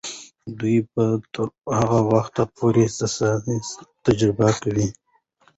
دوی به تر هغه وخته پورې د ساینس تجربې کوي.